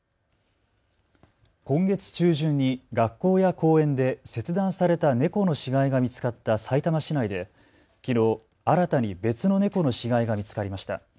今月中旬に学校や公園で切断された猫の死骸が見つかったさいたま市内できのう新たに別の猫の死骸が見つかりました。